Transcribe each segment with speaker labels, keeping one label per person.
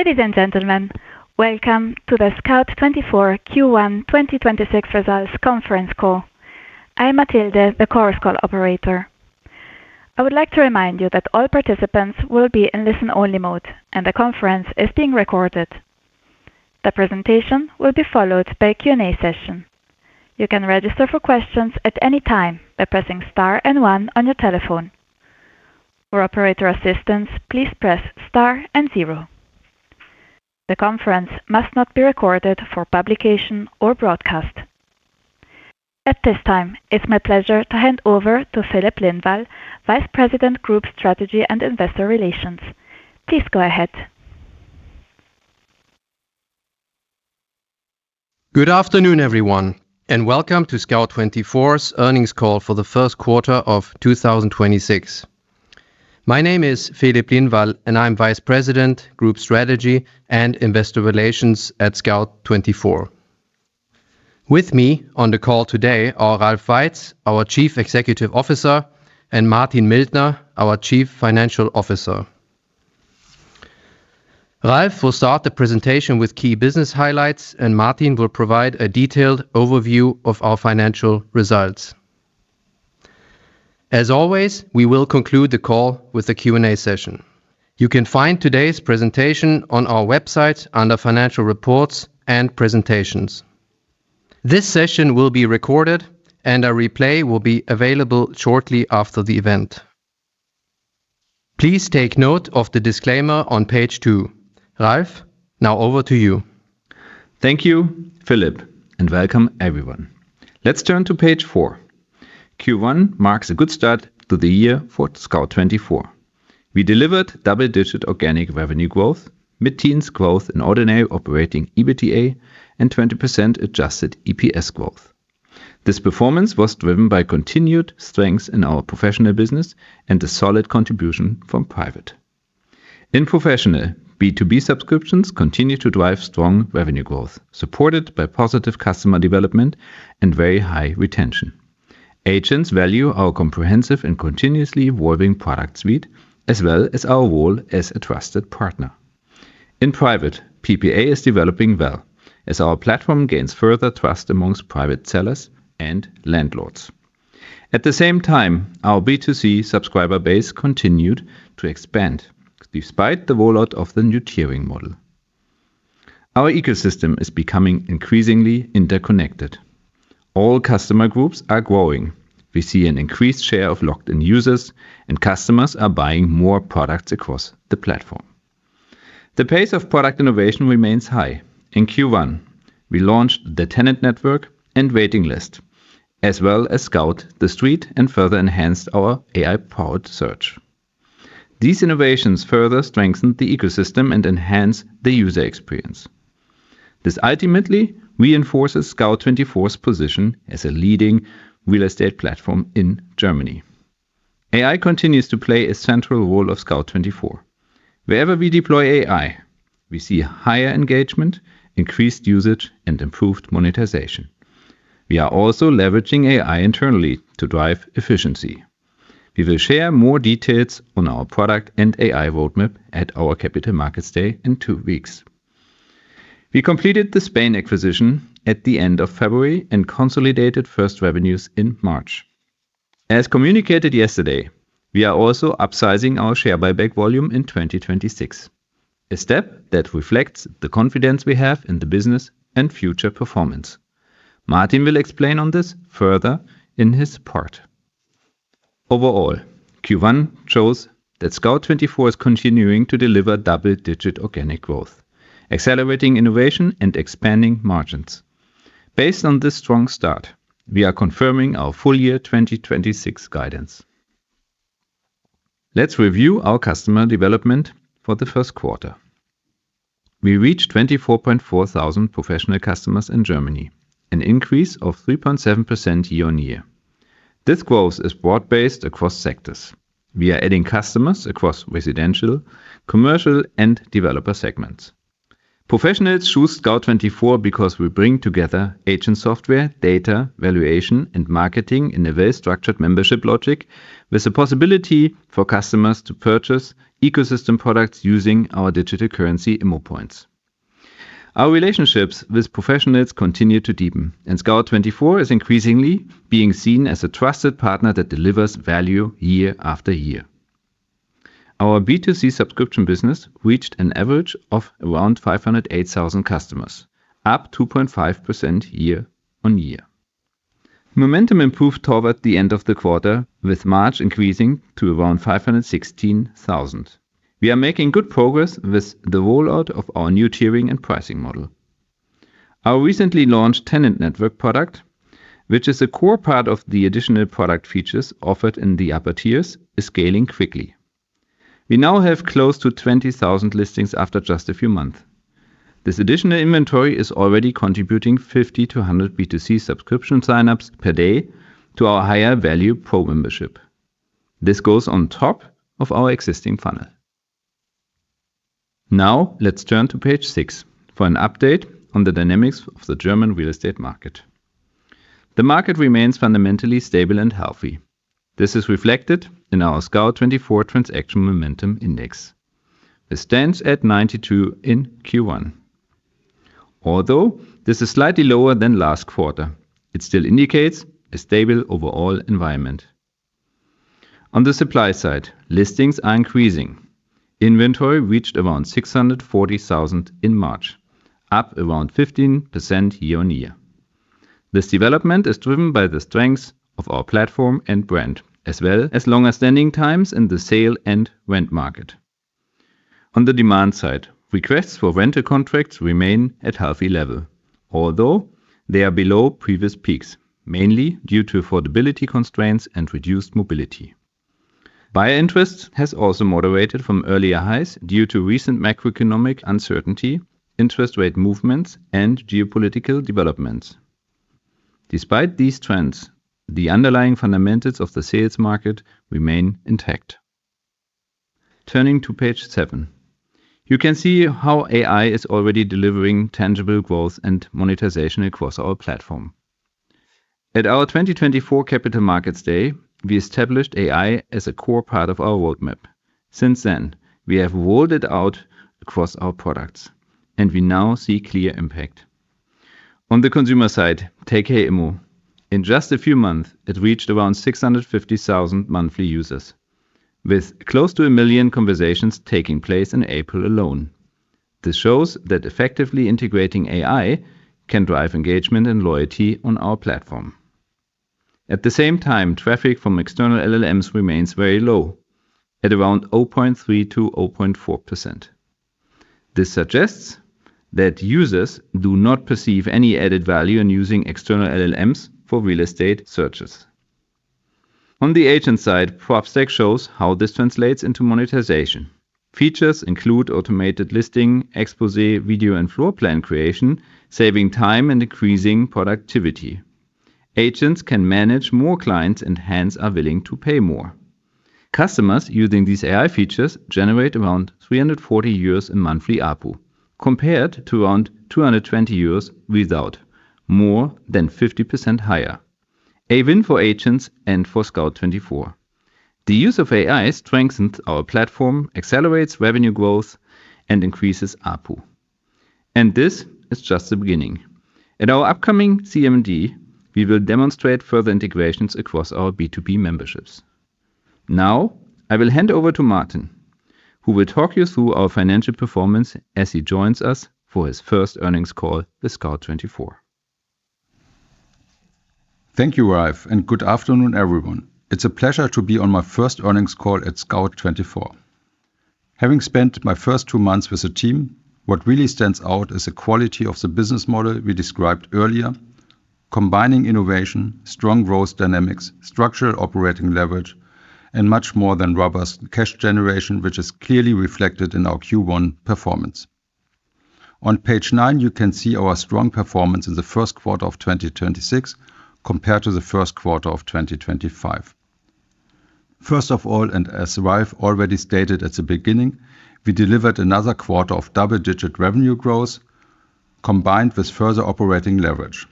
Speaker 1: Ladies and gentlemen, welcome to the Scout24 Q1 2026 Results Conference Call. I'm Matilde, the conference call operator. I would like to remind you that all participants will be in listen-only mode, and the conference is being recorded. The presentation will be followed by a Q&A session. You can register for questions at any time by pressing star one on your telephone. For operator assistance, please press star zero. The conference must not be recorded for publication or broadcast. At this time, it's my pleasure to hand over to Filip Lindvall, Vice President, Group Strategy and Investor Relations. Please go ahead.
Speaker 2: Good afternoon, everyone, and welcome to Scout24's earnings call for the first quarter of 2026. My name is Filip Lindvall, and I'm Vice President, Group Strategy and Investor Relations at Scout24. With me on the call today are Ralf Weitz, our Chief Executive Officer, and Martin Mildner, our Chief Financial Officer. Ralf will start the presentation with key business highlights, and Martin will provide a detailed overview of our financial results. As always, we will conclude the call with a Q&A session. You can find today's presentation on our website under Financial Reports and Presentations. This session will be recorded, and a replay will be available shortly after the event. Please take note of the disclaimer on page two. Ralf, now over to you.
Speaker 3: Thank you, Filip, and welcome everyone. Let's turn to page 4. Q1 marks a good start to the year for Scout24. We delivered double-digit organic revenue growth, mid-teens growth in ordinary operating EBITDA, and 20% adjusted EPS growth. This performance was driven by continued strength in our professional business and a solid contribution from private. In professional, B2B subscriptions continue to drive strong revenue growth, supported by positive customer development and very high retention. Agents value our comprehensive and continuously evolving product suite, as well as our role as a trusted partner. In private, PPA is developing well as our platform gains further trust amongst private sellers and landlords. At the same time, our B2C subscriber base continued to expand despite the rollout of the new tiering model. Our ecosystem is becoming increasingly interconnected. All customer groups are growing. We see an increased share of logged-in users, and customers are buying more products across the platform. The pace of product innovation remains high. In Q1, we launched the Tenant Network and Waiting List, as well as Scout the Street and further enhanced our AI-powered search. These innovations further strengthen the ecosystem and enhance the user experience. This ultimately reinforces Scout24's position as a leading real estate platform in Germany. AI continues to play a central role of Scout24. Wherever we deploy AI, we see higher engagement, increased usage, and improved monetization. We are also leveraging AI internally to drive efficiency. We will share more details on our product and AI roadmap at our Capital Markets Day in two weeks. We completed the Spain acquisition at the end of February and consolidated first revenues in March. As communicated yesterday, we are also upsizing our share buyback volume in 2026, a step that reflects the confidence we have in the business and future performance. Martin will explain on this further in his part. Overall, Q1 shows that Scout24 is continuing to deliver double-digit organic growth, accelerating innovation, and expanding margins. Based on this strong start, we are confirming our full year 2026 guidance. Let's review our customer development for the first quarter. We reached 24.4 thousand professional customers in Germany, an increase of 3.7% year-on-year. This growth is broad-based across sectors. We are adding customers across residential, commercial, and developer segments. Professionals choose Scout24 because we bring together agent software, data, valuation, and marketing in a very structured membership logic with the possibility for customers to purchase ecosystem products using our digital currency, ImmoPoints. Our relationships with professionals continue to deepen, and Scout24 is increasingly being seen as a trusted partner that delivers value year after year. Our B2C subscription business reached an average of around 508,000 customers, up 2.5% year-over-year. Momentum improved toward the end of the quarter, with March increasing to around 516,000. We are making good progress with the rollout of our new tiering and pricing model. Our recently launched Tenant Network product, which is a core part of the additional product features offered in the upper tiers, is scaling quickly. We now have close to 20,000 listings after just a few months. This additional inventory is already contributing 50-100 B2C subscription signups per day to our higher value pro membership. This goes on top of our existing funnel. Now, let's turn to page 6 for an update on the dynamics of the German real estate market. The market remains fundamentally stable and healthy. This is reflected in our Scout24 Transaction Momentum Index. This stands at 92 in Q1. Although this is slightly lower than last quarter, it still indicates a stable overall environment. On the supply side, listings are increasing. Inventory reached around 640,000 in March, up around 15% year-over-year. This development is driven by the strength of our platform and brand, as well as longer standing times in the sale and rent market. On the demand side, requests for rental contracts remain at healthy level. Although they are below previous peaks, mainly due to affordability constraints and reduced mobility. Buyer interest has also moderated from earlier highs due to recent macroeconomic uncertainty, interest rate movements, and geopolitical developments. Despite these trends, the underlying fundamentals of the sales market remain intact. Turning to page 7. You can see how AI is already delivering tangible growth and monetization across our platform. At our 2024 Capital Markets Day, we established AI as a core part of our roadmap. Since then, we have rolled it out across our products, and we now see clear impact. On the consumer side, take Immo. In just a few months, it reached around 650,000 monthly users, with close to 1 million conversations taking place in April alone. This shows that effectively integrating AI can drive engagement and loyalty on our platform. At the same time, traffic from external LLMs remains very low at around 0.3%-0.4%. This suggests that users do not perceive any added value in using external LLMs for real estate searches. On the agent side, PropTech shows how this translates into monetization. Features include automated listing, exposé, video and floor plan creation, saving time and increasing productivity. Agents can manage more clients and hence are willing to pay more. Customers using these AI features generate around 340 euros in monthly ARPU, compared to around 220 euros without, more than 50% higher. A win for agents and for Scout24. The use of AI strengthens our platform, accelerates revenue growth, and increases ARPU. This is just the beginning. At our upcoming CMD, we will demonstrate further integrations across our B2B memberships. Now, I will hand over to Martin, who will talk you through our financial performance as he joins us for his first earnings call with Scout24.
Speaker 4: Thank you, Ralf. Good afternoon, everyone. It's a pleasure to be on my first earnings call at Scout24. Having spent my first two months with the team, what really stands out is the quality of the business model we described earlier, combining innovation, strong growth dynamics, structural operating leverage, and much more than robust cash generation, which is clearly reflected in our Q1 performance. On page 9, you can see our strong performance in the first quarter of 2026 compared to the first quarter of 2025. First of all, as Ralf already stated at the beginning, we delivered another quarter of double-digit revenue growth combined with further operating leverage.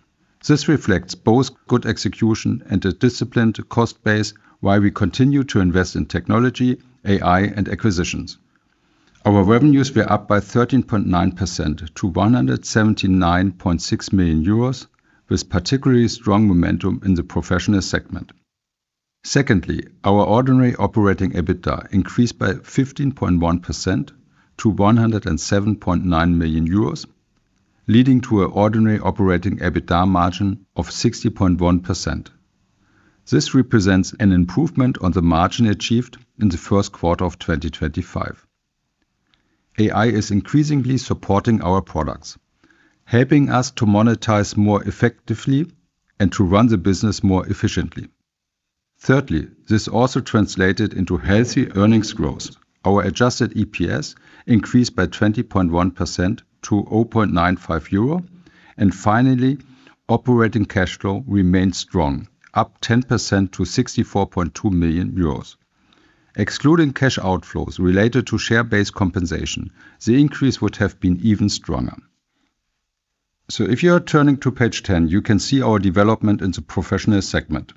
Speaker 4: This reflects both good execution and a disciplined cost base while we continue to invest in technology, AI, and acquisitions. Our revenues were up by 13.9% to 179.6 million euros, with particularly strong momentum in the professional segment. Our ordinary operating EBITDA increased by 15.1% to 107.9 million euros, leading to an ordinary operating EBITDA margin of 60.1%. This represents an improvement on the margin achieved in the first quarter of 2025. AI is increasingly supporting our products, helping us to monetize more effectively and to run the business more efficiently. This also translated into healthy earnings growth. Our adjusted EPS increased by 20.1% to 0.95 euro. Operating cash flow remained strong, up 10% to 64.2 million euros. Excluding cash outflows related to share-based compensation, the increase would have been even stronger. If you are turning to page 10, you can see our development in the professional segment.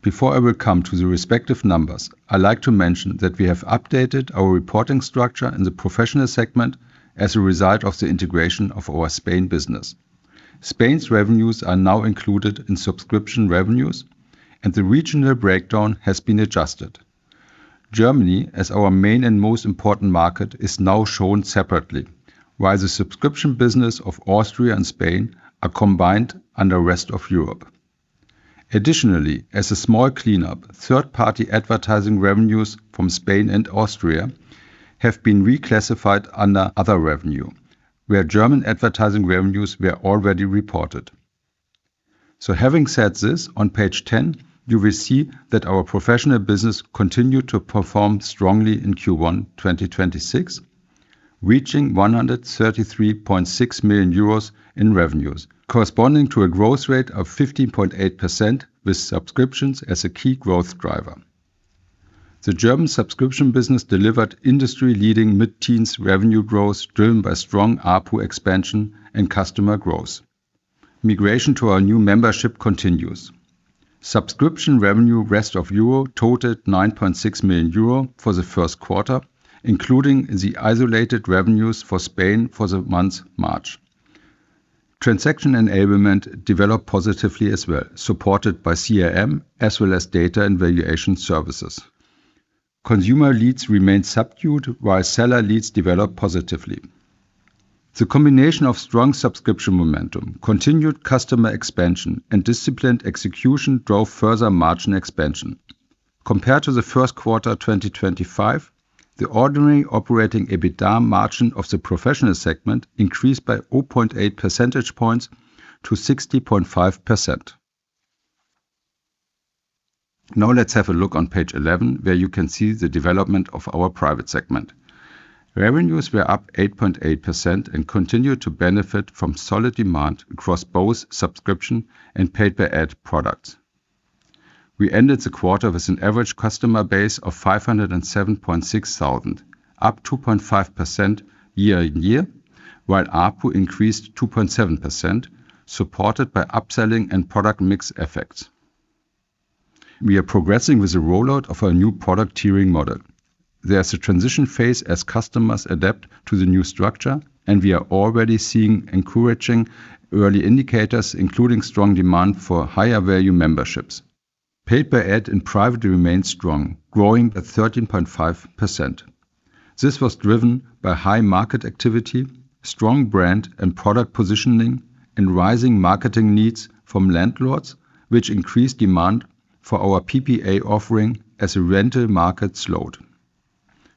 Speaker 4: Before I will come to the respective numbers, I like to mention that we have updated our reporting structure in the professional segment as a result of the integration of our Spain business. Spain's revenues are now included in subscription revenues, and the regional breakdown has been adjusted. Germany, as our main and most important market, is now shown separately, while the subscription business of Austria and Spain are combined under Rest of Europe. Additionally, as a small cleanup, third-party advertising revenues from Spain and Austria have been reclassified under Other Revenue, where German advertising revenues were already reported. Having said this, on page 10, you will see that our professional business continued to perform strongly in Q1 2026, reaching 133.6 million euros in revenues, corresponding to a growth rate of 15.8% with subscriptions as a key growth driver. The German subscription business delivered industry-leading mid-teens revenue growth driven by strong ARPU expansion and customer growth. Migration to our new membership continues. Subscription revenue Rest of Europe totaled 9.6 million euro for the first quarter, including the isolated revenues for Spain for the month March. Transaction enablement developed positively as well, supported by CRM as well as data and valuation services. Consumer leads remained subdued, while seller leads developed positively. The combination of strong subscription momentum, continued customer expansion, and disciplined execution drove further margin expansion. Compared to the first quarter 2025, the ordinary operating EBITDA margin of the professional segment increased by 0.8 percentage points to 60.5%. Let's have a look on page 11, where you can see the development of our private segment. Revenues were up 8.8% and continued to benefit from solid demand across both subscription and pay-per-ad products. We ended the quarter with an average customer base of 507.6 thousand, up 2.5% year-on-year, while ARPU increased 2.7%, supported by upselling and product mix effects. We are progressing with the rollout of our new product tiering model. There's a transition phase as customers adapt to the new structure, and we are already seeing encouraging early indicators, including strong demand for higher-value memberships. Pay-per-ad in private remains strong, growing at 13.5%. This was driven by high market activity, strong brand and product positioning, and rising marketing needs from landlords, which increased demand for our PPA offering as the rental market slowed.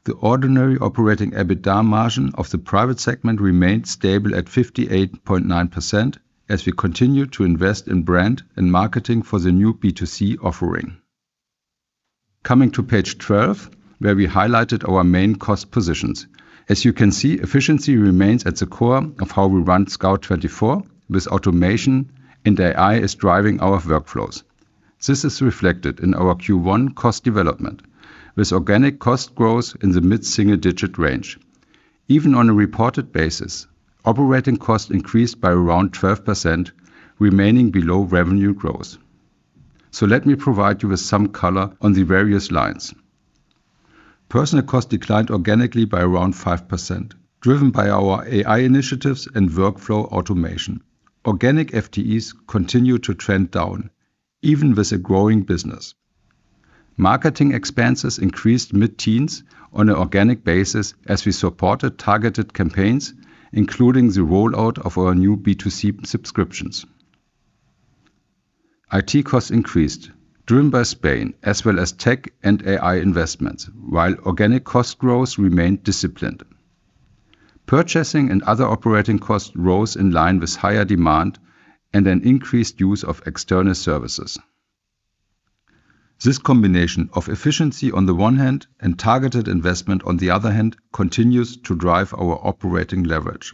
Speaker 4: The ordinary operating EBITDA margin of the private segment remained stable at 58.9% as we continued to invest in brand and marketing for the new B2C offering. Coming to page 12, where we highlighted our main cost positions. You can see, efficiency remains at the core of how we run Scout24 with automation, and AI is driving our workflows. This is reflected in our Q1 cost development with organic cost growth in the mid-single-digit range. Even on a reported basis, operating costs increased by around 12%, remaining below revenue growth. Let me provide you with some color on the various lines. Personnel costs declined organically by around 5%, driven by our AI initiatives and workflow automation. Organic FTEs continue to trend down, even with a growing business. Marketing expenses increased mid-teens on an organic basis as we supported targeted campaigns, including the rollout of our new B2C subscriptions. IT costs increased, driven by Spain as well as tech and AI investments, while organic cost growth remained disciplined. Purchasing and other operating costs rose in line with higher demand and an increased use of external services. This combination of efficiency on the one hand and targeted investment on the other hand continues to drive our operating leverage,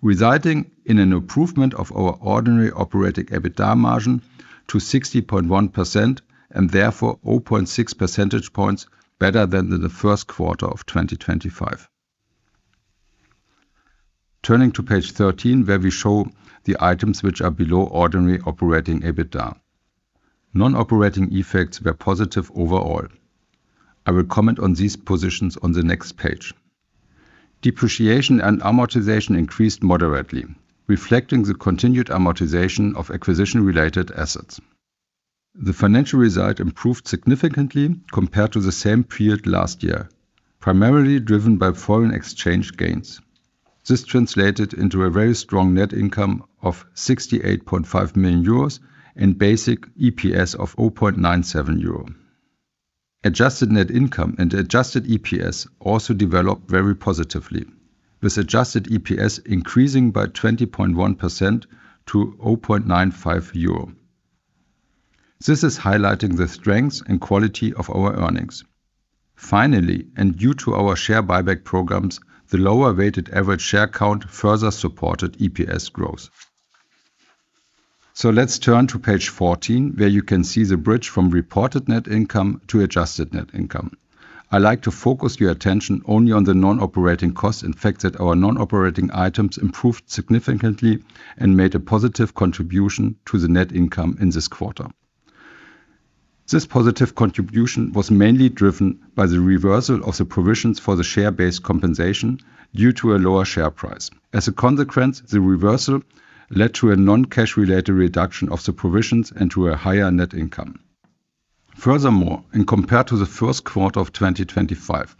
Speaker 4: resulting in an improvement of our ordinary operating EBITDA margin to 60.1% and therefore 0.6 percentage points better than the first quarter of 2025. Turning to page 13, where we show the items which are below ordinary operating EBITDA. Non-operating effects were positive overall. I will comment on these positions on the next page. Depreciation and amortization increased moderately, reflecting the continued amortization of acquisition-related assets. The financial result improved significantly compared to the same period last year, primarily driven by foreign exchange gains. This translated into a very strong net income of 68.5 million euros and basic EPS of 0.97 euro. Adjusted net income and adjusted EPS also developed very positively, with adjusted EPS increasing by 20.1% to 0.95 euro. This is highlighting the strengths and quality of our earnings. Finally, and due to our share buyback programs, the lower weighted average share count further supported EPS growth. Let's turn to page 14, where you can see the bridge from reported net income to adjusted net income. I like to focus your attention only on the non-operating costs and facts that our non-operating items improved significantly and made a positive contribution to the net income in this quarter. This positive contribution was mainly driven by the reversal of the provisions for the share-based compensation due to a lower share price. As a consequence, the reversal led to a non-cash-related reduction of the provisions and to a higher net income. Compared to the 1st quarter of 2025,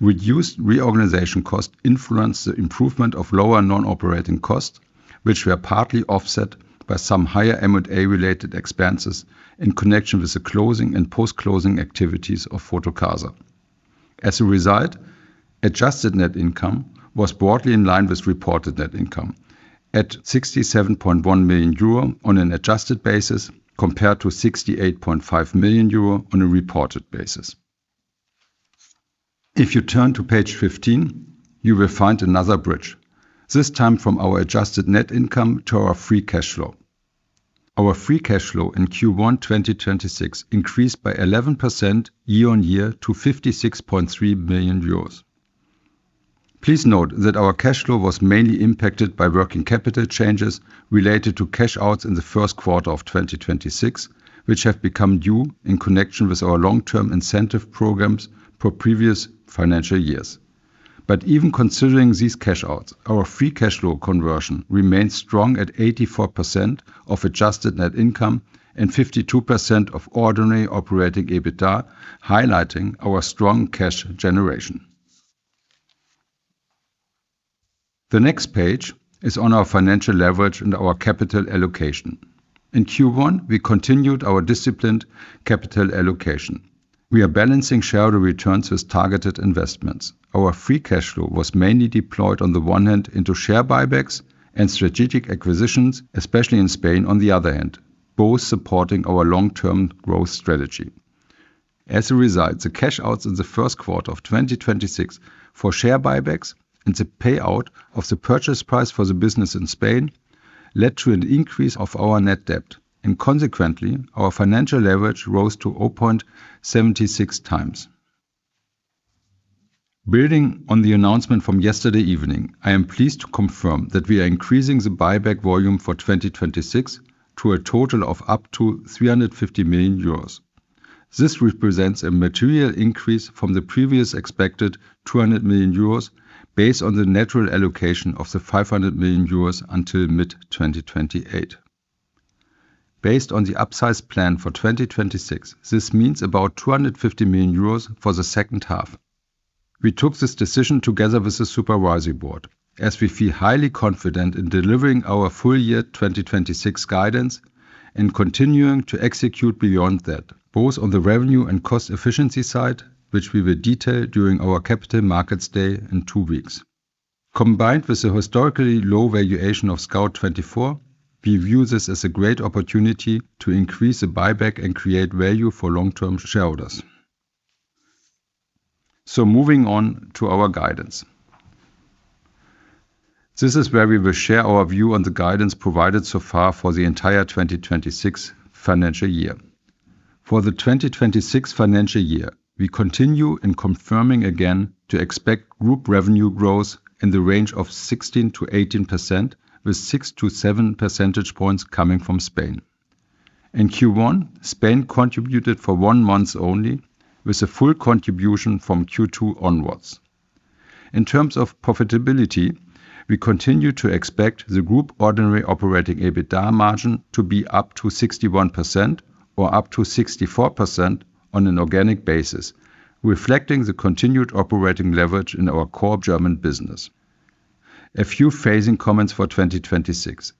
Speaker 4: reduced reorganization costs influenced the improvement of lower non-operating costs, which were partly offset by some higher M&A-related expenses in connection with the closing and post-closing activities of Fotocasa. As a result, adjusted net income was broadly in line with reported net income at 67.1 million euro on an adjusted basis compared to 68.5 million euro on a reported basis. If you turn to page 15, you will find another bridge. This time from our adjusted net income to our free cash flow. Our free cash flow in Q1 2026 increased by 11% year-over-year to 56.3 million euros. Please note that our cash flow was mainly impacted by working capital changes related to cash outs in the first quarter of 2026, which have become due in connection with our long-term incentive programs for previous financial years. Even considering these cash outs, our free cash flow conversion remains strong at 84% of adjusted net income and 52% of ordinary operating EBITDA, highlighting our strong cash generation. The next page is on our financial leverage and our capital allocation. In Q1, we continued our disciplined capital allocation. We are balancing shareholder returns with targeted investments. Our free cash flow was mainly deployed on the one hand into share buybacks and strategic acquisitions, especially in Spain on the other hand, both supporting our long-term growth strategy. As a result, the cash outs in the first quarter of 2026 for share buybacks and the payout of the purchase price for the business in Spain led to an increase of our net debt. Consequently, our financial leverage rose to 0.76 times. Building on the announcement from yesterday evening, I am pleased to confirm that we are increasing the buyback volume for 2026 to a total of up to 350 million euros. This represents a material increase from the previous expected 200 million euros based on the natural allocation of the 500 million euros until mid-2028. Based on the upsized plan for 2026, this means about 250 million euros for the second half. We took this decision together with the Supervisory Board, as we feel highly confident in delivering our full year 2026 guidance and continuing to execute beyond that, both on the revenue and cost efficiency side, which we will detail during our Capital Markets Day in two weeks. Combined with the historically low valuation of Scout24, we view this as a great opportunity to increase the buyback and create value for long-term shareholders. Moving on to our guidance. This is where we will share our view on the guidance provided so far for the entire 2026 financial year. For the 2026 financial year, we continue in confirming again to expect group revenue growth in the range of 16%-18%, with six to seven percentage points coming from Spain. In Q1, Spain contributed for one month only, with a full contribution from Q2 onwards. In terms of profitability, we continue to expect the group ordinary operating EBITDA margin to be up to 61% or up to 64% on an organic basis, reflecting the continued operating leverage in our core German business. A few phasing comments for 2026.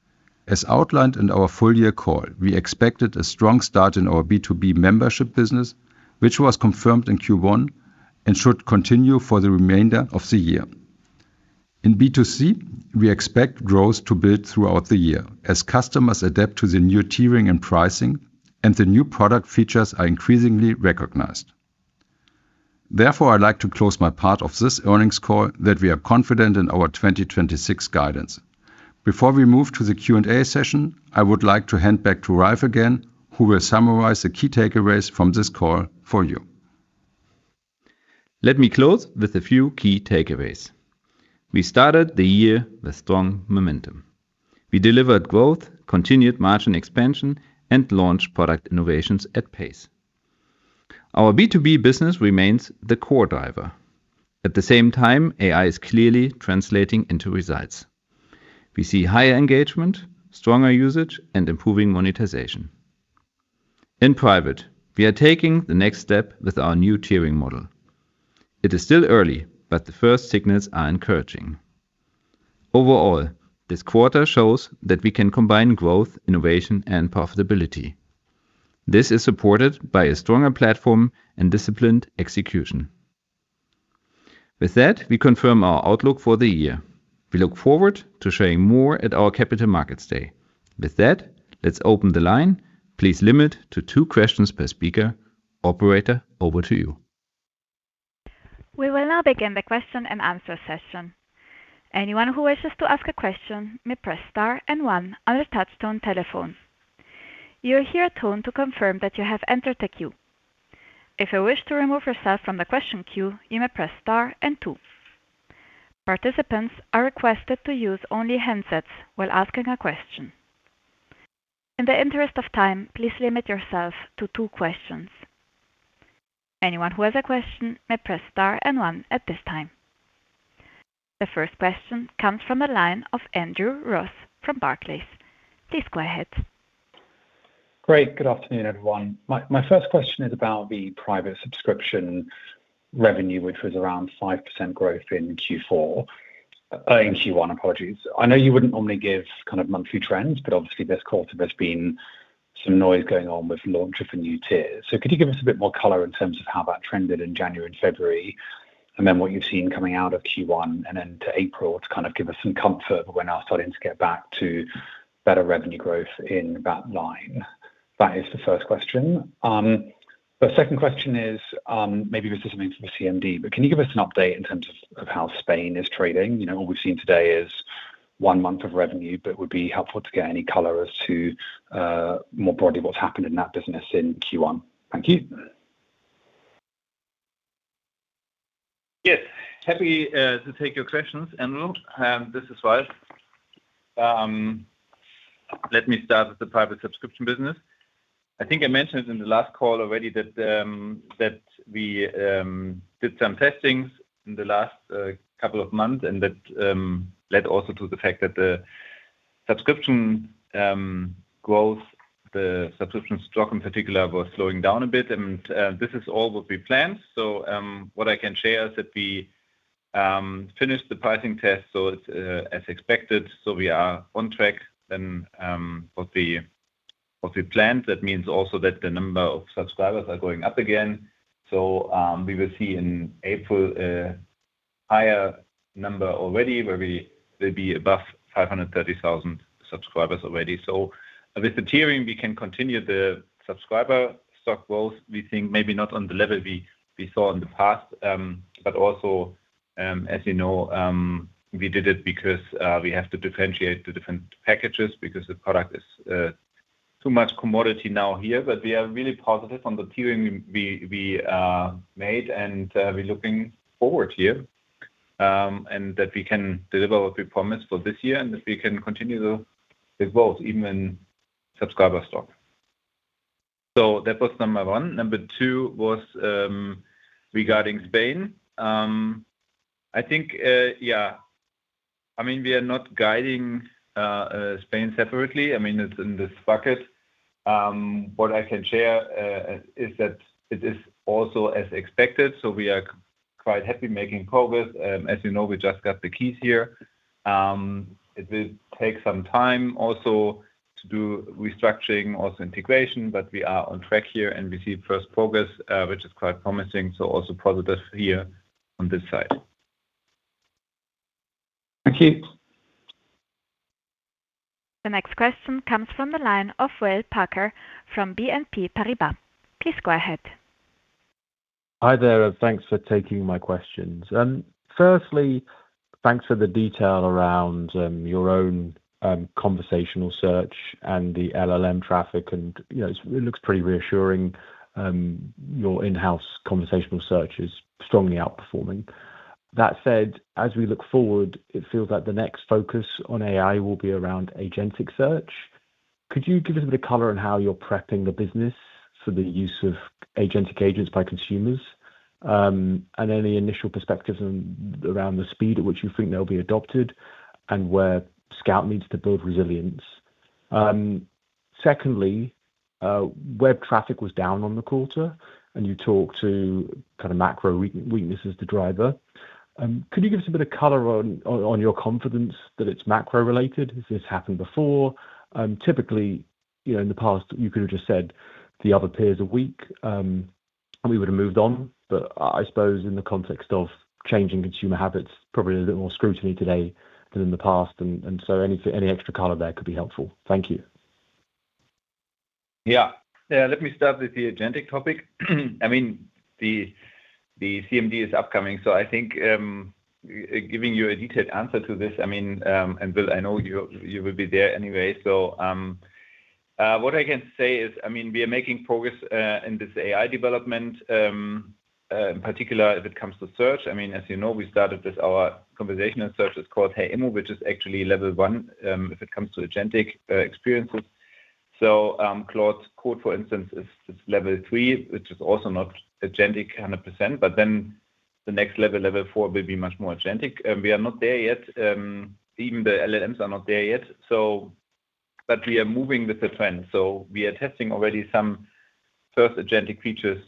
Speaker 4: As outlined in our full year call, we expected a strong start in our B2B membership business, which was confirmed in Q1 and should continue for the remainder of the year. In B2C, we expect growth to build throughout the year as customers adapt to the new tiering and pricing and the new product features are increasingly recognized. Therefore, I'd like to close my part of this earnings call that we are confident in our 2026 guidance. Before we move to the Q&A session, I would like to hand back to Ralf again, who will summarize the key takeaways from this call for you.
Speaker 3: Let me close with a few key takeaways. We started the year with strong momentum. We delivered growth, continued margin expansion, and launched product innovations at pace. Our B2B business remains the core driver. At the same time, AI is clearly translating into results. We see higher engagement, stronger usage, and improving monetization. In Private, we are taking the next step with our new tiering model. It is still early, but the first signals are encouraging. Overall, this quarter shows that we can combine growth, innovation, and profitability. This is supported by a stronger platform and disciplined execution. With that, we confirm our outlook for the year. We look forward to sharing more at our Capital Markets Day. With that, let's open the line. Please limit to two questions per speaker. Operator, over to you.
Speaker 1: We will now begin the question-and-answer session. Anyone who wishes to ask a question may press star and one on their touchtone telephone. You will hear a tone to confirm that you have entered the queue. If you wish to remove yourself from the question queue, you may press star and two. Participants are requested to use only handsets while asking a question. In the interest of time, please limit yourself to two questions. Anyone who has a question may press star and one at this time. The first question comes from the line of Andrew Ross from Barclays. Please go ahead.
Speaker 5: Great. Good afternoon, everyone. My first question is about the Private subscription revenue, which was around 5% growth in Q4. In Q1, apologies. I know you wouldn't normally give kind of monthly trends, but obviously this quarter there's been some noise going on with launch of the new tiers. Could you give us a bit more color in terms of how that trended in January and February, and then what you've seen coming out of Q1 and into April to kind of give us some comfort of when are starting to get back to better revenue growth in that line? That is the first question. The second question is, maybe this is something for the CMD, can you give us an update in terms of how Spain is trading? You know, what we've seen today is one month of revenue, but it would be helpful to get any color as to more broadly what's happened in that business in Q1. Thank you.
Speaker 3: Yes. Happy to take your questions, Andrew Ross. This is Ralf. Let me start with the private subscription business. I think I mentioned in the last call already that we did some testings in the last couple of months and that led also to the fact that the subscription growth, the subscription stock in particular, was slowing down a bit. This is all what we planned. What I can share is that we finished the pricing test, so it's as expected. We are on track then what we planned. That means also that the number of subscribers are going up again. We will see in April higher number already where we will be above 530,000 subscribers already. With the tiering, we can continue the subscriber stock growth. We think maybe not on the level we saw in the past. But also, as you know, we did it because we have to differentiate the different packages because the product is too much commodity now here. We are really positive on the tiering we made, and we're looking forward here, and that we can deliver what we promised for this year and that we can continue the growth even in subscriber stock. That was number one. Number two was regarding Spain. I think, yeah. I mean, we are not guiding Spain separately. I mean, it's in this bucket. What I can share is that it is also as expected, we are quite happy making progress. As you know, we just got the keys here. It will take some time also to do restructuring, also integration, but we are on track here and we see first progress, which is quite promising. Also positive here on this side.
Speaker 5: Thank you.
Speaker 1: The next question comes from the line of Will Parker from BNP Paribas. Please go ahead.
Speaker 6: Hi there, and thanks for taking my questions. Firstly, thanks for the detail around your own conversational search and the LLM traffic and, you know, it looks pretty reassuring, your in-house conversational search is strongly outperforming. That said, as we look forward, it feels like the next focus on AI will be around agentic search. Could you give us a bit of color on how you're prepping the business for the use of agentic agents by consumers, and any initial perspectives around the speed at which you think they'll be adopted and where Scout needs to build resilience? Secondly, web traffic was down on the quarter, and you talked to kind of macro re-weakness as the driver. Could you give us a bit of color on your confidence that it's macro-related? Has this happened before? Typically, you know, in the past you could have just said the other peers are weak, and we would have moved on. I suppose in the context of changing consumer habits, probably a little more scrutiny today than in the past. Any extra color there could be helpful. Thank you.
Speaker 3: Yeah. Let me start with the agentic topic. The CMD is upcoming. I think giving you a detailed answer to this, Will, I know you will be there anyway. What I can say is we are making progress in this AI development, in particular as it comes to search. As you know, we started with our conversational search. It's called HeyImmo, which is actually level one if it comes to agentic experiences. Claude Code, for instance, is level three, which is also not agentic 100%. The next level four will be much more agentic. We are not there yet. Even the LLMs are not there yet. We are moving with the trend. We are testing already some first agentic features.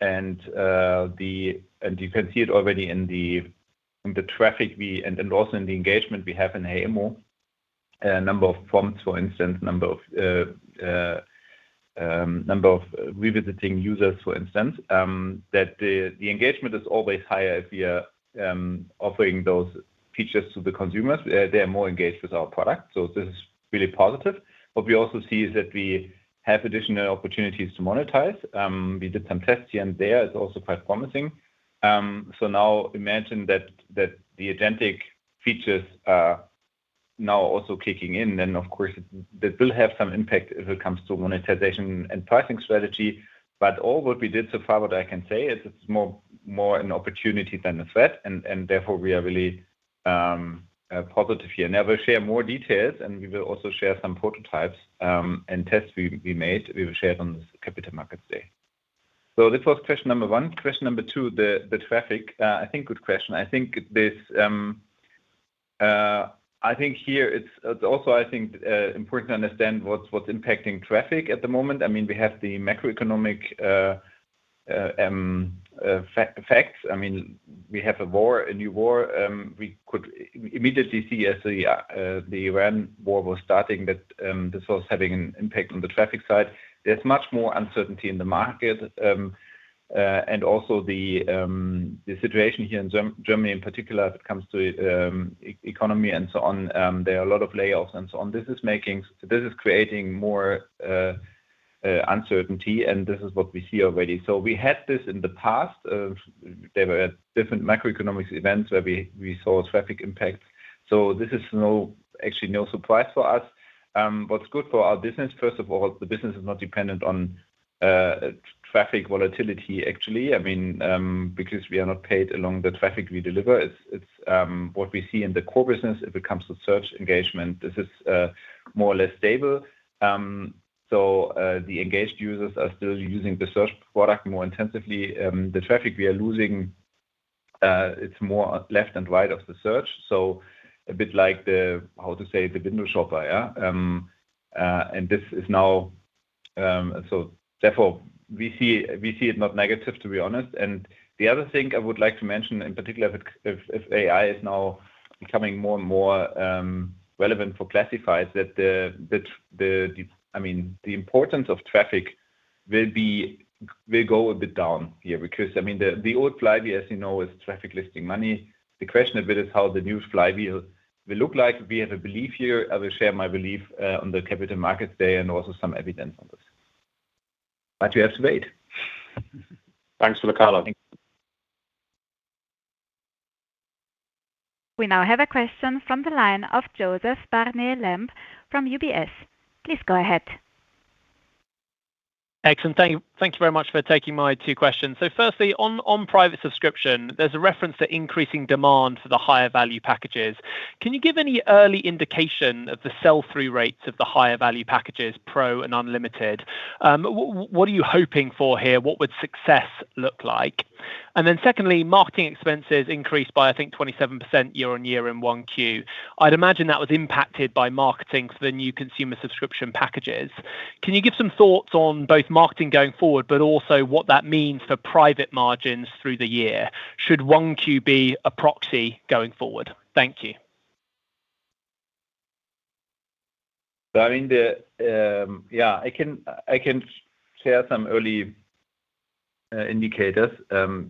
Speaker 3: And you can see it already in the traffic and also in the engagement we have in HeyImmo. Number of prompts, for instance, number of revisiting users, for instance. That the engagement is always higher if we are offering those features to the consumers. They are more engaged with our product. This is really positive. What we also see is that we have additional opportunities to monetize. We did some testing and there is also quite promising. Now imagine that the agentic features are now also kicking in, then of course that will have some impact if it comes to monetization and pricing strategy. All what we did so far, what I can say is it's more an opportunity than a threat and therefore we are really positive here. I will share more details, and we will also share some prototypes and tests we made; we will share it on this Capital Markets Day. This was question number 1. Question number 2, the traffic. I think good question. I think this, I think here it's also I think important to understand what's impacting traffic at the moment. I mean, we have the macroeconomic facts. I mean, we have a war, a new war. We could immediately see as the Iran war was starting that this was having an impact on the traffic side. There's much more uncertainty in the market. And also, the situation here in Germany in particular when it comes to e-economy and so on, there are a lot of layoffs and so on. This is creating more uncertainty, and this is what we see already. We had this in the past; there were different macroeconomic events where we saw traffic impact. This is actually no surprise for us. What's good for our business, first of all, the business is not dependent on traffic volatility actually. I mean, because we are not paid along the traffic we deliver. It's what we see in the core business if it comes to search engagement. This is more or less stable. The engaged users are still using the search product more intensively. The traffic we are losing, it's more left and right of the search. A bit like the, how to say, the window shopper, yeah? Therefore, we see it not negative, to be honest. The other thing I would like to mention in particular if AI is now becoming more and more relevant for classifieds, that I mean, the importance of traffic will go a bit down here. I mean, the old flywheel, as you know, is traffic listing money. The question a bit is how the new flywheel will look like. We have a belief here. I will share my belief on the Capital Markets Day and also some evidence on this. You have to wait.
Speaker 6: Thanks for the color.
Speaker 3: Thank you.
Speaker 1: We now have a question from the line of Joseph Barnett-Lamb from UBS. Please go ahead.
Speaker 7: Excellent. Thank you very much for taking my two questions. Firstly, on private subscription, there's a reference to increasing demand for the higher value packages. Can you give any early indication of the sell-through rates of the higher value packages, Pro and Unlimited? What are you hoping for here? What would success look like? Secondly, marketing expenses increased by, I think, 27% year on year in 1Q. I'd imagine that was impacted by marketing for the new consumer subscription packages. Can you give some thoughts on both marketing going forward, but also what that means for private margins through the year? Should 1Q be a proxy going forward? Thank you.
Speaker 3: I mean, I can share some early indicators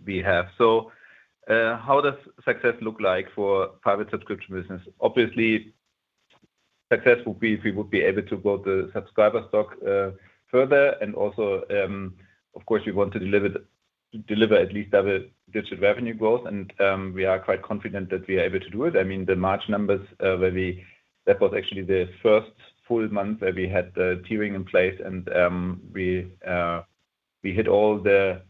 Speaker 3: we have. How does success look like for private subscription business? Obviously, success would be if we would be able to grow the subscriber stock further. Of course, we want to deliver at least double-digit revenue growth. We are quite confident that we are able to do it. I mean, the March numbers. That was actually the first full month where we had the tiering in place. We hit all the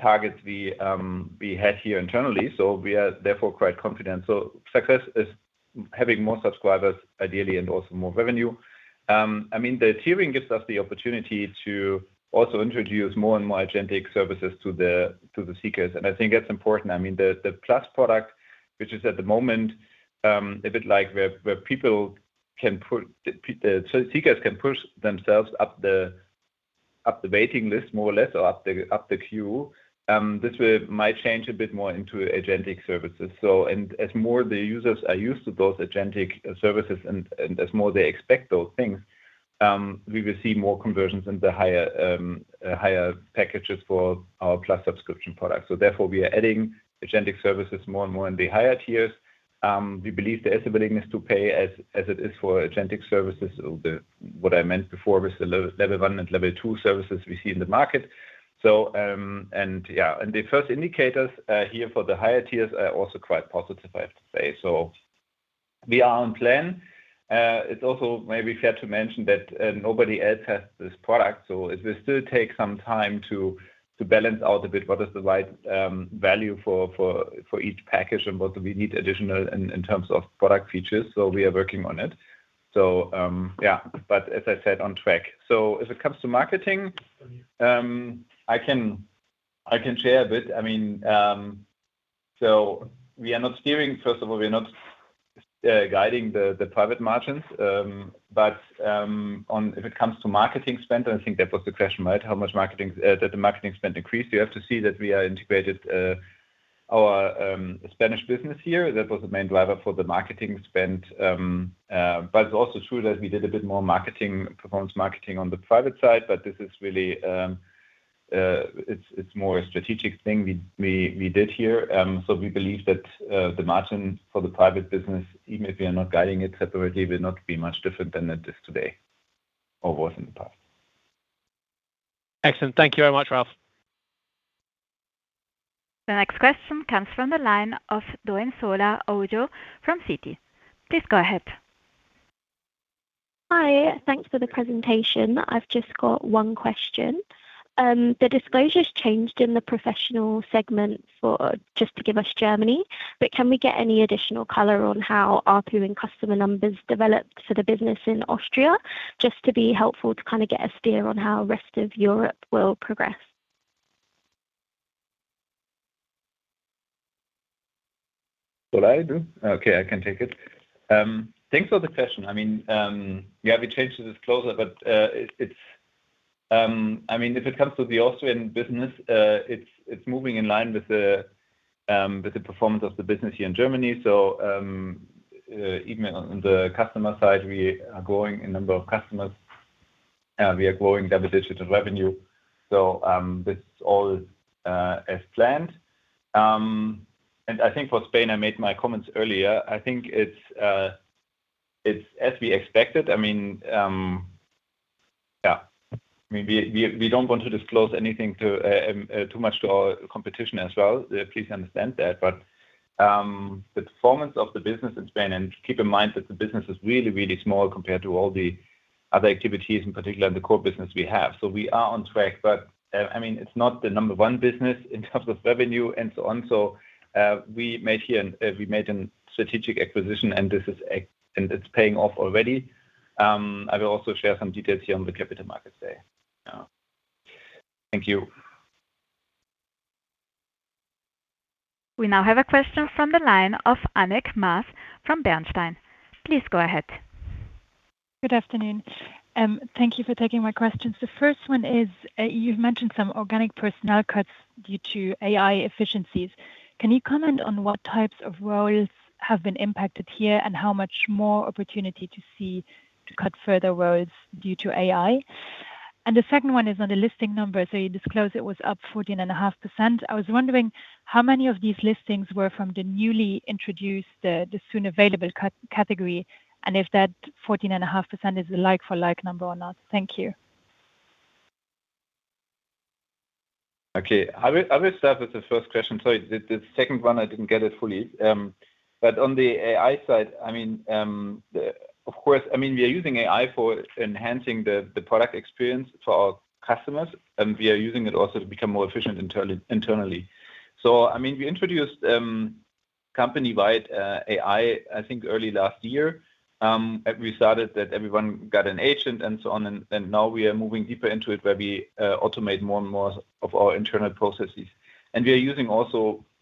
Speaker 3: targets we had here internally. We are therefore quite confident. Success is having more subscribers ideally and also more revenue. I mean, the tiering gives us the opportunity to also introduce more and more agentic services to the, to the seekers, and I think that's important. I mean, the Plus product, which is at the moment, a bit like where the seekers can push themselves up the, up the Waiting List more or less, or up the, up the queue. This will, might change a bit more into agentic services. As more the users are used to those agentic services and, as more they expect those things, we will see more conversions in the higher packages for our Plus subscription products. Therefore, we are adding agentic services more and more in the higher tiers. We believe there is a willingness to pay as it is for agentic services. What I meant before with the level 1 and level 2 services we see in the market. The first indicators here for the higher tiers are also quite positive, I have to say. We are on plan. It's also may be fair to mention that nobody else has this product. It will still take some time to balance out a bit what is the right value for each package and what do we need additional in terms of product features. We are working on it. As I said, on track. As it comes to marketing, I can share a bit. I mean, we are not steering, first of all, we're not guiding the private margins. If it comes to marketing spend, I think that was the question, right? How much marketing did the marketing spend increase? You have to see that we are integrated our Spanish business here. That was the main driver for the marketing spend. It's also true that we did a bit more marketing, performance marketing on the private side, but this is really, it's more a strategic thing we did here. We believe that the margin for the private business, even if we are not guiding it separately, will not be much different than it is today or was in the past.
Speaker 7: Excellent. Thank you very much, Ralf.
Speaker 1: The next question comes from the line of Doyinsola Sanyaolu from Citi. Please go ahead.
Speaker 8: Hi, thanks for the presentation. I’ve just got one question. The disclosure changed in the Professional segment for Germany. Can we get any additional color on how your customer numbers are developing for the business in Australia, just to help us get a steer on how the rest of Europe will progress?
Speaker 3: Should I do? Okay, I can take it. Thanks for the question. I mean, yeah, we changed the disclosure. It's, I mean, if it comes to the Austrian business, it's moving in line with the performance of the business here in Germany. Even on the customer side, we are growing in number of customers. We are growing double-digit of revenue. This is all as planned. I think for Spain, I made my comments earlier. I think it's as we expected. Yeah. I mean, we don't want to disclose anything too much to our competition as well. Please understand that. The performance of the business in Spain, and keep in mind that the business is really, really small compared to all the other activities, in particular the core business we have. We are on track, but, I mean, it's not the number one business in terms of revenue and so on. We made here an strategic acquisition, and it's paying off already. I will also share some details here on the Capital Markets Day. Thank you.
Speaker 1: We now have a question from the line of Annick Maas from Bernstein. Please go ahead.
Speaker 9: Good afternoon. Thank you for taking my questions. The first one is, you've mentioned some organic personnel cuts due to AI efficiencies. Can you comment on what types of roles have been impacted here, and how much more opportunity to cut further roles due to AI? The second one is on the listing number. You disclosed it was up 14.5%. I was wondering how many of these listings were from the newly introduced, the soon available category, and if that 14.5% is a like for like number or not? Thank you.
Speaker 3: Okay. I will start with the first question. Sorry, the second one, I didn't get it fully. On the AI side, I mean. Of course, I mean, we are using AI for enhancing the product experience for our customers, and we are using it also to become more efficient internally. I mean, we introduced company-wide AI, I think, early last year. We started that everyone got an agent and so on. Now we are moving deeper into it, where we automate more and more of our internal processes. We are using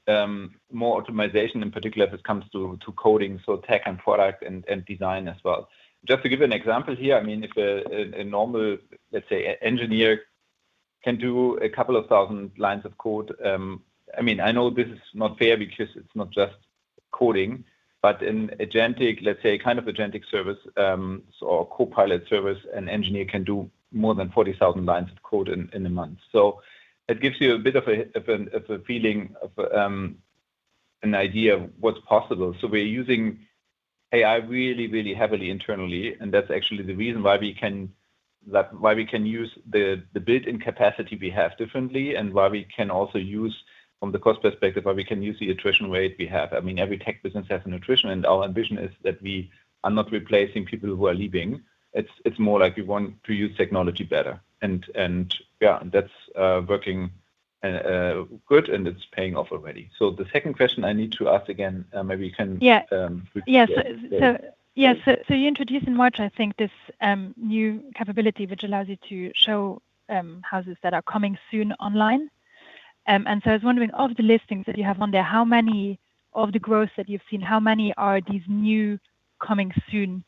Speaker 3: also more optimization, in particular if it comes to coding, so tech and product and design as well. Just to give you an example here, I mean, if a normal, let's say, e-engineer can do a couple of thousand lines of code. I mean, I know this is not fair because it's not just coding. But in agentic, let's say, kind of agentic service, so our Copilot service, an engineer can do more than 40,000 lines of code in a month. It gives you a bit of a feeling of an idea of what's possible. We are using AI really heavily internally, and that's actually the reason why we can use the built-in capacity we have differently, and why we can also use, from the cost perspective, why we can use the attrition rate we have. I mean, every tech business has an attrition. Our ambition is that we are not replacing people who are leaving. It's more like we want to use technology better. Yeah, that's working good and it's paying off already. The second question I need to ask again. Maybe you can.
Speaker 9: Yeah
Speaker 3: repeat it. Yeah.
Speaker 9: Yes. You introduced in March, I think, this new capability which allows you to show houses that are coming soon online. I was wondering, of the listings that you have on there, how many of the growth that you've seen, how many are these new coming soon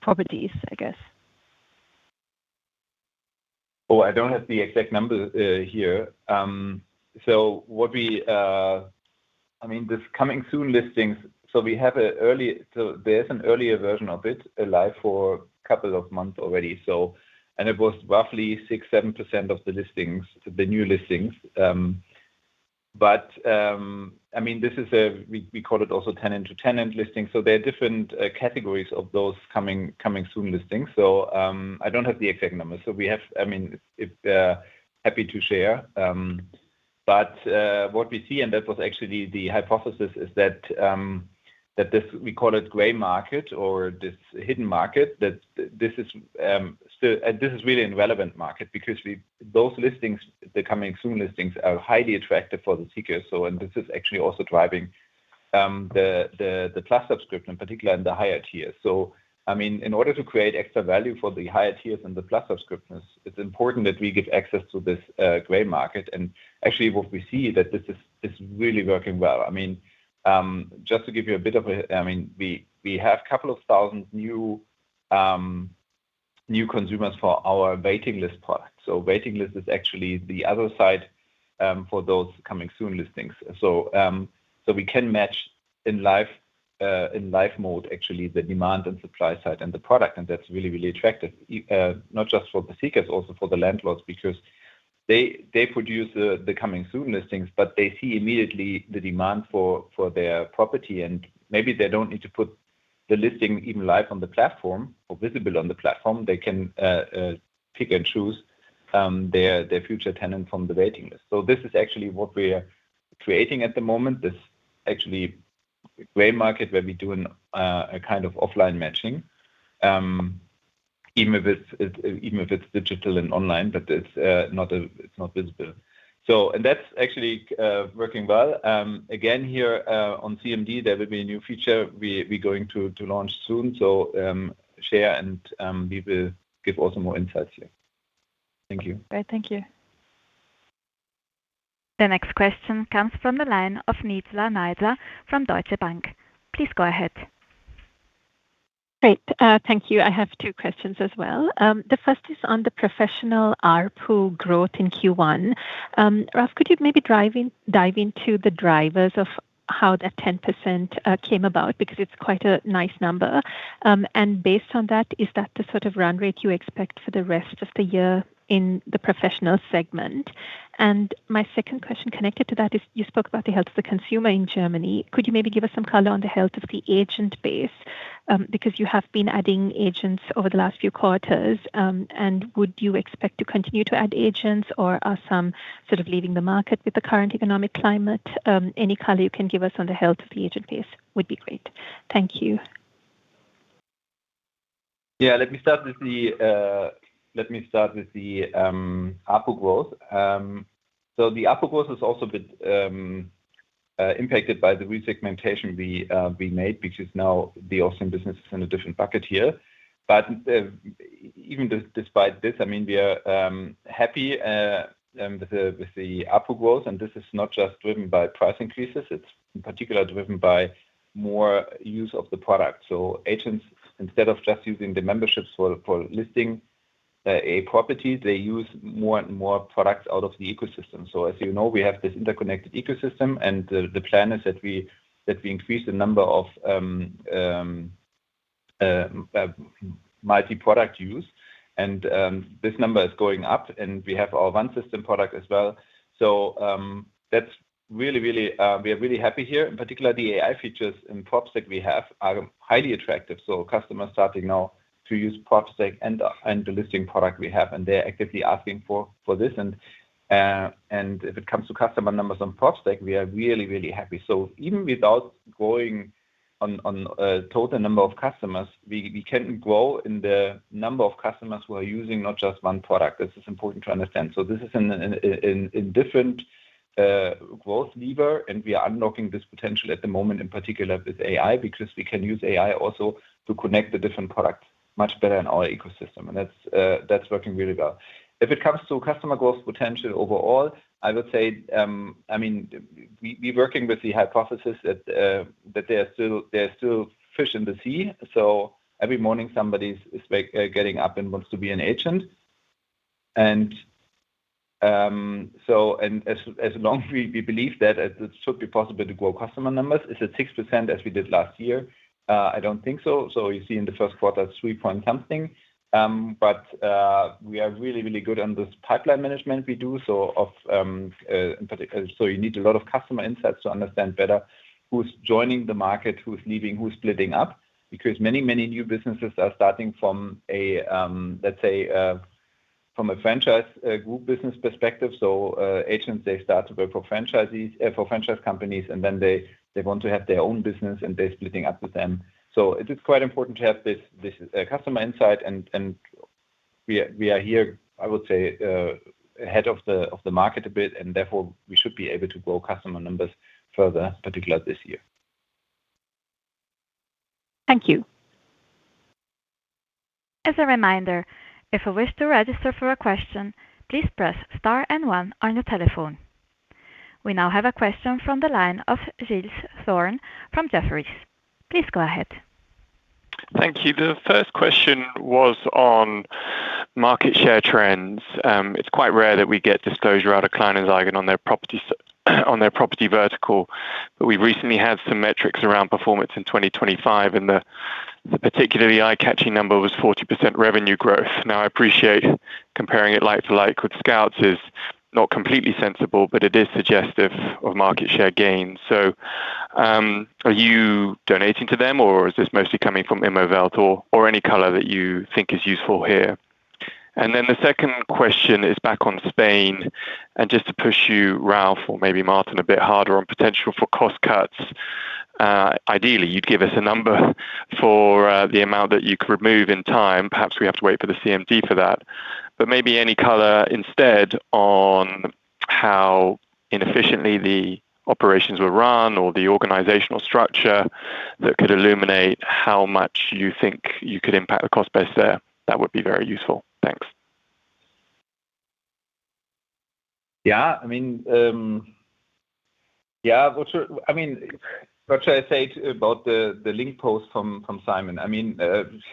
Speaker 9: properties, I guess?
Speaker 3: I don't have the exact number here. I mean, this coming soon listings. We have an earlier version of it alive for a couple of months already. It was roughly 6%, 7% of the listings, the new listings. I mean, we call it also tenant-to-tenant listing. There are different categories of those coming soon listings. I don't have the exact numbers. I mean, if happy to share. What we see, and that was actually the hypothesis, is that this, we call it gray market or this hidden market, that this is still a really relevant market because those listings, the coming soon listings, are highly attractive for the seekers. And this is actually also driving the Plus subscription, in particular in the higher tiers. I mean, in order to create extra value for the higher tiers and the Plus subscriptions, it's important that we give access to this gray market. Actually, what we see that this is really working well. I mean, we have 2,000 new consumers for our Waiting List product. Waiting List is actually the other side for those coming soon listings. We can match in live mode actually the demand and supply side and the product, and that's really attractive. Not just for the seekers, also for the landlords, because they produce the coming soon listings, but they see immediately the demand for their property. Maybe they don't need to put the listing even live on the platform or visible on the platform. They can pick and choose their future tenant from the Waiting List. This is actually what we are creating at the moment. This actually gray market where we do a kind of offline matching, even if it's digital and online, but it's not visible. That's actually working well. Again, here on CMD, there will be a new feature we're going to launch soon. Share, and we will give also more insights here. Thank you.
Speaker 9: Great. Thank you.
Speaker 1: The next question comes from the line of Nizla Naizer from Deutsche Bank. Please go ahead.
Speaker 10: Great. Thank you. I have two questions as well. The first is on the professional ARPU growth in Q1. Ralf, could you maybe dive into the drivers of how the 10% came about? Because it's quite a nice number. Based on that, is that the sort of run rate you expect for the rest of the year in the professional segment? My second question connected to that is you spoke about the health of the consumer in Germany. Could you maybe give us some color on the health of the agent base? Because you have been adding agents over the last few quarters. Would you expect to continue to add agents or are some sort of leaving the market with the current economic climate? Any color you can give us on the health of the agent base would be great. Thank you.
Speaker 3: Yeah. Let me start with the ARPU growth. The ARPU growth is also a bit impacted by the resegmentation we made, which is now the Austrian business is in a different bucket here. Even despite this, I mean, we are happy with the ARPU growth, and this is not just driven by price increases, it's in particular driven by more use of the product. Agents, instead of just using the memberships for listing a property, they use more and more products out of the ecosystem. As you know, we have this interconnected ecosystem, and the plan is that we increase the number of multi-product use. This number is going up, and we have our 1 system product as well. We are really happy here. In particular, the AI features in PropTech we have are highly attractive. Customers starting now to use PropTech and the listing product we have, and they're actively asking for this. If it comes to customer numbers on PropTech, we are really, really happy. Even without growing on total number of customers, we can grow in the number of customers who are using not just one product. This is important to understand. This is in different growth lever, and we are unlocking this potential at the moment, in particular with AI, because we can use AI also to connect the different products much better in our ecosystem, and that's working really well. If it comes to customer growth potential overall, I will say, I mean, we are working with the hypothesis that there are still fish in the sea. Every morning somebody's getting up and wants to be an agent. As long we believe that it should be possible to grow customer numbers. Is it 6% as we did last year? I don't think so. You see in the first quarter three point something. We are really, really good on this pipeline management we do. You need a lot of customer insights to understand better who's joining the market, who's leaving, who's splitting up. Many, many new businesses are starting from a, let's say, from a franchise group business perspective. Agents, they start to work for franchises, for franchise companies, and then they want to have their own business, and they're splitting up with them. It is quite important to have this customer insight. We are, we are here, I would say, ahead of the, of the market a bit, and therefore we should be able to grow customer numbers further, particular this year.
Speaker 10: Thank you.
Speaker 1: As a reminder, if you wish to register for a question, please press star and 1 on your telephone. We now have a question from the line of Giles Thorne from Jefferies. Please go ahead.
Speaker 11: Thank you. The first question was on market share trends. It's quite rare that we get disclosure out of Kleinanzeigen on their property vertical. We recently had some metrics around performance in 2025, and the particularly eye-catching number was 40% revenue growth. Now, I appreciate comparing it like to like with Scouts is not completely sensible, but it is suggestive of market share gains. Are you donating to them or is this mostly coming from Immowelt or any color that you think is useful here? The second question is back on Spain. Just to push you, Ralf or maybe Martin, a bit harder on potential for cost cuts. Ideally, you'd give us a number for the amount that you could remove in time. Perhaps we have to wait for the CMD for that. Maybe any color instead on how inefficiently the operations were run or the organizational structure that could illuminate how much you think you could impact the cost base there. That would be very useful. Thanks.
Speaker 3: Yeah. I mean, what should I say about the link post from Simon? I mean,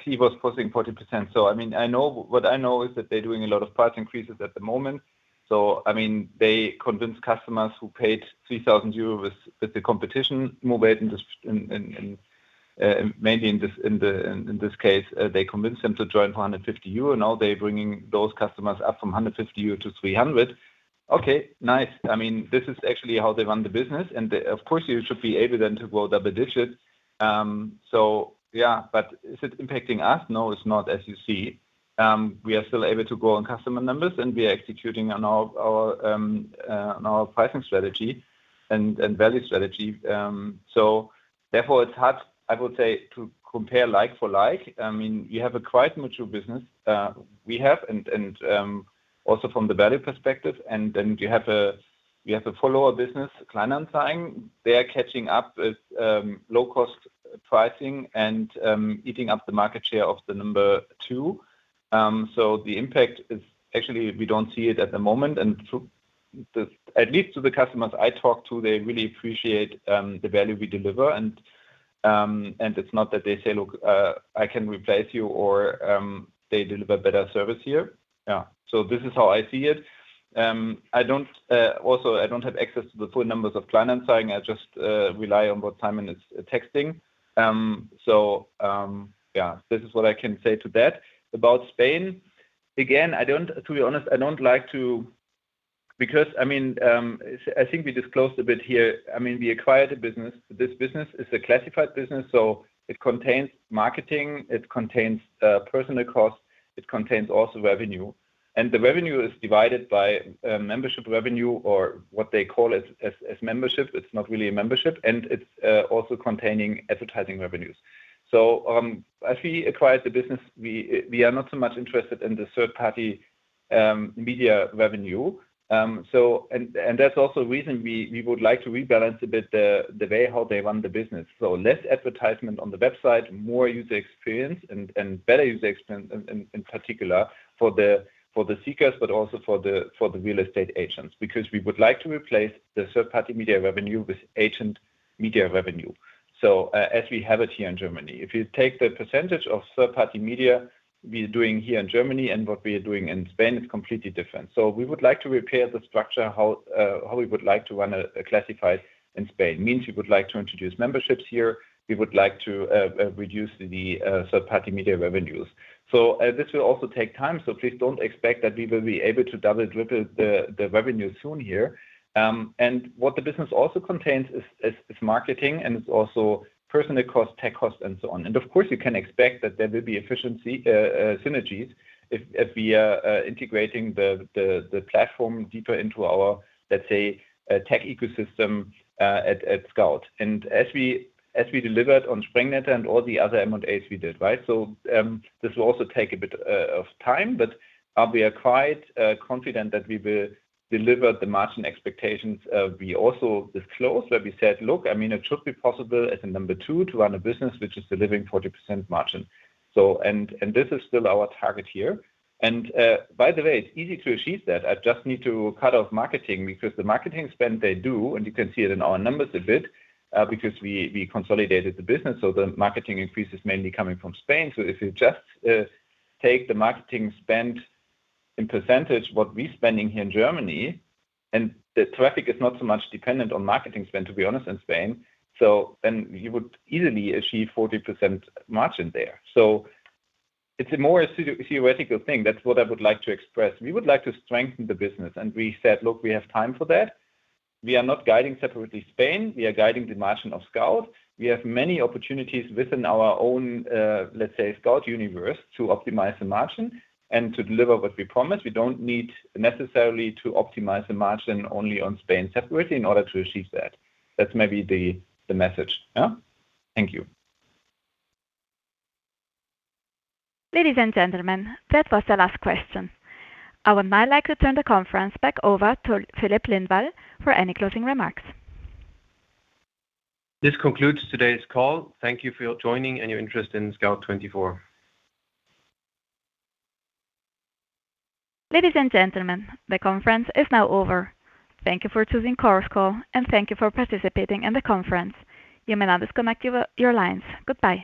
Speaker 3: he was posting 40%. I mean, what I know is that they're doing a lot of price increases at the moment. I mean, they convince customers who paid 3,000 euros with the competition, Immowelt, and mainly in this case, they convince them to join for 150 euro. Now they're bringing those customers up from 150 euro to 300. Okay, nice. I mean, this is actually how they run the business. Of course, you should be able then to grow double digits. Yeah. Is it impacting us? No, it's not as you see. We are still able to grow on customer numbers, and we are executing on our pricing strategy and value strategy. Therefore, it's hard, I would say, to compare like for like. I mean, you have a quite mature business, we have and also from the value perspective. Then you have a follower business, Kleinanzeigen. They are catching up with low-cost pricing and eating up the market share of the number two. The impact is actually we don't see it at the moment. At least to the customers I talk to, they really appreciate the value we deliver. It's not that they say, "Look, I can replace you," or they deliver better service here. This is how I see it. I don't also I don't have access to the full numbers of Kleinanzeigen. I just rely on what Simon is texting. Yeah, this is what I can say to that. About Spain, again, I don't. To be honest, I don't like to. Because, I mean, I think we disclosed a bit here. I mean, we acquired a business. This business is a classified business, so it contains marketing, it contains personal costs, it contains also revenue. The revenue is divided by membership revenue or what they call as membership. It's not really a membership; it's also containing advertising revenues. As we acquired the business, we are not so much interested in the third-party media revenue. And that's also a reason we would like to rebalance a bit the way how they run the business. Less advertisement on the website, more user experience and better user experience in, in particular for the, for the seekers, but also for the, for the real estate agents. Because we would like to replace the third-party media revenue with agent media revenue, so, as we have it here in Germany. If you take the percentage of third-party media we are doing here in Germany and what we are doing in Spain, it's completely different. We would like to repair the structure how we would like to run a classified in Spain. Means we would like to introduce memberships here. We would like to reduce the third-party media revenues. This will also take time, so please don't expect that we will be able to double, triple the revenue soon here. What the business also contains is marketing, and it's also personal cost, tech cost and so on. Of course, you can expect that there will be efficiency synergies if we are integrating the platform deeper into our, let's say, tech ecosystem at Scout. As we delivered on Sprengnetter and all the other M&As we did, right? This will also take a bit of time, but we are quite confident that we will deliver the margin expectations. We also disclosed where we said, "Look, I mean, it should be possible as a number 2 to run a business which is delivering 40% margin." This is still our target here. By the way, it's easy to achieve that. I just need to cut off marketing because the marketing spend they do, and you can see it in our numbers a bit, because we consolidated the business, so the marketing increase is mainly coming from Spain. If you just take the marketing spend in percentage what we spending here in Germany, and the traffic is not so much dependent on marketing spend, to be honest, in Spain. Then you would easily achieve 40% margin there. It's a more theoretical thing. That's what I would like to express. We would like to strengthen the business. We said, "Look, we have time for that." We are not guiding separately Spain; we are guiding the margin of Scout. We have many opportunities within our own, let's say, Scout universe to optimize the margin and to deliver what we promised. We don't need necessarily to optimize the margin only on Spain separately in order to achieve that. That's maybe the message. Yeah. Thank you.
Speaker 1: Ladies and gentlemen, that was the last question. I would now like to turn the conference back over to Filip Lindvall for any closing remarks.
Speaker 2: This concludes today's call. Thank you for your joining and your interest in Scout24.
Speaker 1: Ladies and gentlemen, the conference is now over. Thank you for choosing Chorus Call and thank you for participating in the conference. You may now disconnect your lines. Goodbye.